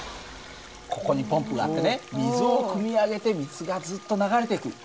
ここにポンプがあってね水をくみ上げて水がずっと流れていく。